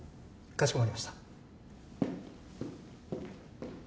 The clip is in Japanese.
かしこまりました。